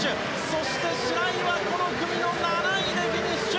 そして白井はこの組の７位でフィニッシュ。